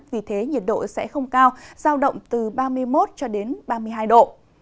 vì thế nhiệt độ sẽ không cao giao động từ ba mươi một cho đến ba mươi hai độ